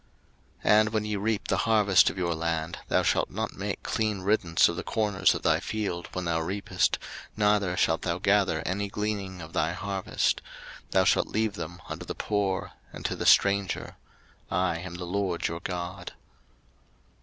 03:023:022 And when ye reap the harvest of your land, thou shalt not make clean riddance of the corners of thy field when thou reapest, neither shalt thou gather any gleaning of thy harvest: thou shalt leave them unto the poor, and to the stranger: I am the LORD your God.